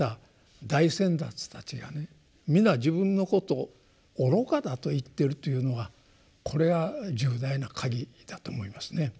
皆自分のことを愚かだと言ってるというのはこれは重大な鍵だと思いますね。